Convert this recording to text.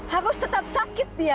harus tetap sakit dia